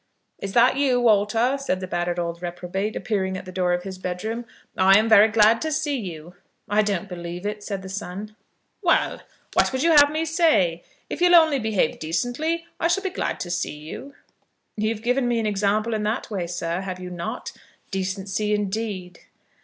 "Is that you, Walter?" said the battered old reprobate, appearing at the door of his bed room; "I am very glad to see you." "I don't believe it," said the son. "Well; what would you have me say? If you'll only behave decently, I shall be glad to see you." "You've given me an example in that way, sir; have you not? Decency indeed!"